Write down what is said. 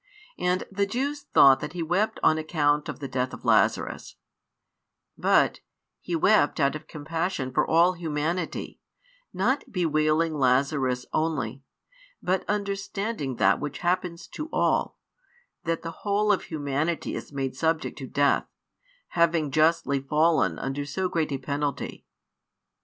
And the Jews thought that He wept on account of the death of Lazarus, but He |124 wept out of compassion for all humanity, not bewailing Lazarus only, but understanding that which happens to all, that the whole of humanity is made subject to death, having justly fallen under so great a penalty.